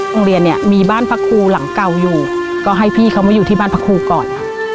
โรงเรียนเนี่ยมีบ้านพระครูหลังเก่าอยู่ก็ให้พี่เขามาอยู่ที่บ้านพระครูก่อน